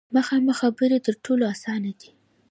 مخامخ خبرې تر ټولو اسانه دي.